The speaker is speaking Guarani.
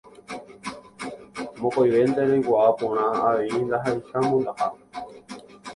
Mokõivénte roikuaa porã avei ndaha'eiha mondaha.